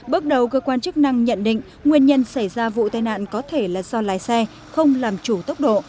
bước đầu cơ quan chức năng nhận định nguyên nhân xảy ra vụ tai nạn có thể là do lái xe không làm chủ tốc độ